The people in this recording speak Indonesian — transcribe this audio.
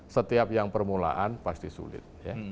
setiap yang permulaan pasti sulit